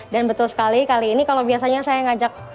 dan betul sekali kali ini kalau biasanya saya ngajak